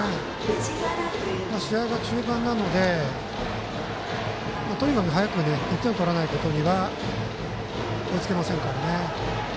試合は中盤なのでとにかく早く１点取らないことには追いつけませんからね。